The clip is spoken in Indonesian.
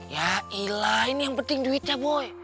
ya ilah ini yang penting duitnya boy